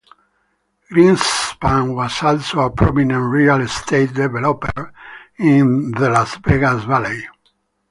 Greenspun was also a prominent real estate developer in the Las Vegas Valley.